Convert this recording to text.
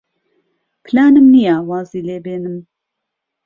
پلانم نییە وازی لێ بێنم.